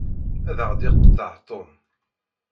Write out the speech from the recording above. Ad aɣ-d-iqeṭṭeɛ Tom.